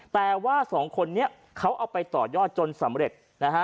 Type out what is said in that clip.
แต่ว่าสองคนนี้เขาเอาไปต่อยอดจนสำเร็จนะฮะ